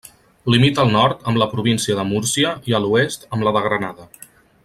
Limita al nord amb la província de Múrcia i a l'oest amb la de Granada.